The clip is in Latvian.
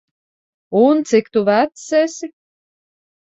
Un, cik tu vecs esi?